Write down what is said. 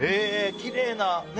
きれいなね